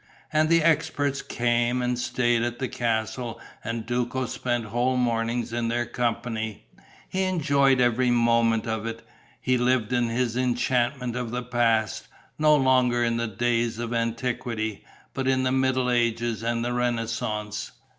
And the experts came and stayed at the castle and Duco spent whole mornings in their company. He enjoyed every moment of it. He lived in his enchantment of the past, no longer in the days of antiquity, but in the middle ages and the Renascence.